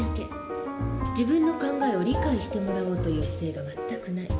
自分の考えを理解してもらおうという姿勢が全くない。